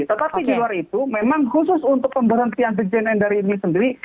tetapi di luar itu memang khusus untuk pemberhentian sekjen endari ini sendiri